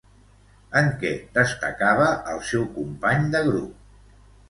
En què destacava el seu company de grup?